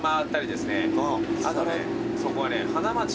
あとねそこはね。